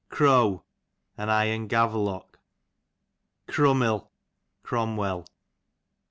Crow, an iron gavelock. Crummil, Cromwell.